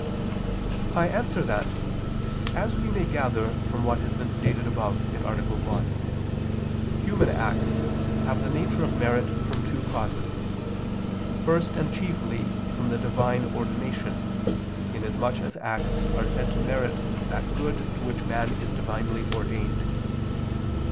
I answer that, As we may gather from what has been stated above (A. 1), human acts have the nature of merit from two causes: first and chiefly from the Divine ordination, inasmuch as acts are said to merit that good to which man is divinely ordained.